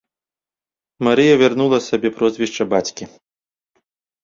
Марыя вярнула сабе прозвішча бацькі.